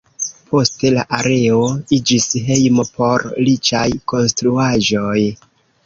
Poste la areo iĝis hejmo por riĉaj konstruaĵoj.